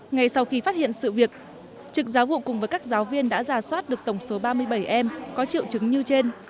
ngay sau khi phát hiện sự việc trực giáo vụ cùng với các giáo viên đã giả soát được tổng số ba mươi bảy em có triệu chứng như trên